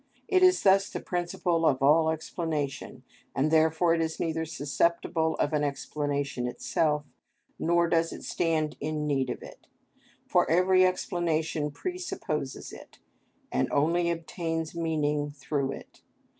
It is thus the principle of all explanation, and therefore it is neither susceptible of an explanation itself, nor does it stand in need of it; for every explanation presupposes it, and only obtains meaning through it.